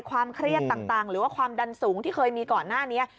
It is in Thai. ความเครียดต่างหรือว่าความดันสูงที่เคยมีก่อนหน้านี้